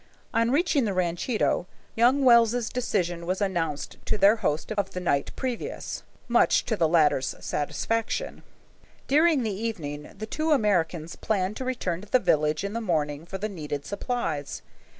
On reaching the ranchito, young Wells's decision was announced to their host of the night previous, much to the latter's satisfaction. During the evening the two Americans planned to return to the village in the morning for the needed supplies.